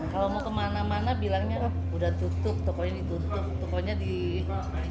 kalau mau kemana mana bilangnya udah tutup tokonya ditutup